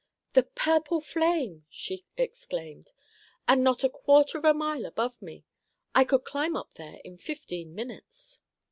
"The purple flame!" she exclaimed. "And not a quarter of a mile above me. I could climb up there in fifteen minutes."